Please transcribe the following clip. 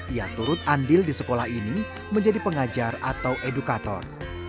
ia turut andil di sekolah ini menjadi pengajar atau edukator